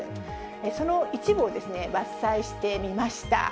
その一部を抜粋してみました。